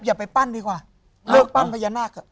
อย่าไปปั้นดีกว่าเลิกปั้นพญานาคเถอะ